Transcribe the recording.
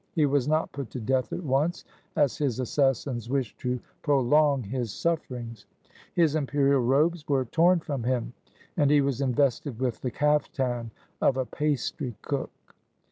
He was not put to death at once, as his assassins wished to prolong his sufferings. His imperial robes 72 THE FALSE CZAR were torn from him, and he was invested with the caftan of a pastry cook.